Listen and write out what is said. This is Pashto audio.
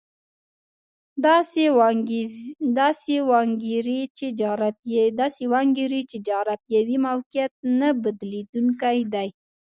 داسې وانګېري چې جغرافیوي موقعیت نه بدلېدونکی دی.